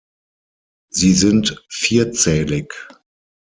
Sie sind vierzählig.